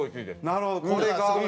なるほどこれが。